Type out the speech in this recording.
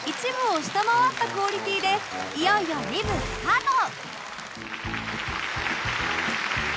１部を下回ったクオリティーでいよいよ２部スタート！